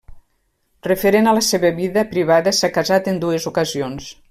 Referent a la seva vida privada s'ha casat en dues ocasions.